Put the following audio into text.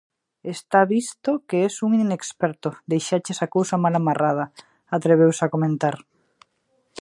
–Está visto que es un inexperto, deixaches a cousa mal amarrada –atreveuse a comentar–.